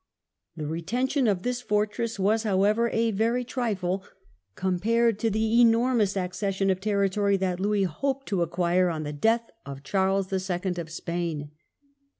The retention of this fortress was, however, a very trifle compared to the enormous accession of territory that Spanish Louis hoped to acquire on the death of Succession Charles II. of Spain.